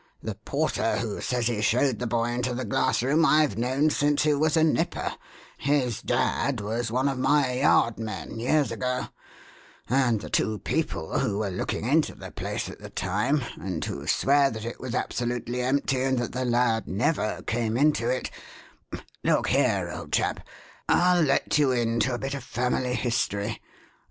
The porter who says he showed the boy into the glass room I've known since he was a nipper his dad was one of my Yard men years ago and the two people who were looking into the place at the time, and who swear that it was absolutely empty and that the lad never came into it Look here, old chap, I'll let you into a bit of family history.